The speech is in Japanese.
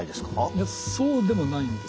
そうでもないんですよ。